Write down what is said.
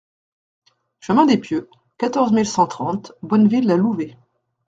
Chemin des Pieux, quatorze mille cent trente Bonneville-la-Louvet